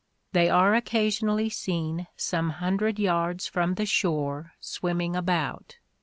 They are occasionally seen some hundred yards from the shore, swimming about.